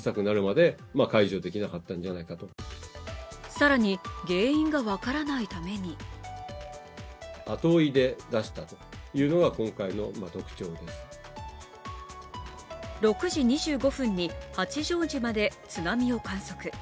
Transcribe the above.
更に原因が分からないために６時２５分に八丈島で津波を観測。